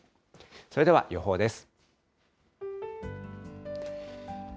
それでは予報です。